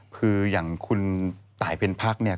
คืออย่างคุณตายเพ็ญพักเนี่ย